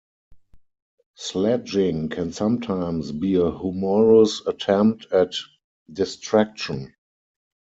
Sledging can sometimes be a humorous attempt at distraction.